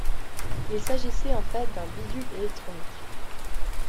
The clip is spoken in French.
Il s’agissait en fait d’un bidule électronique.